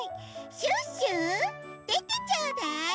シュッシュでてちょうだい！